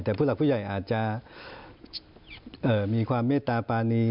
แต่ผู้หลักผู้ใหญ่อาจจะมีความเมตตาปานี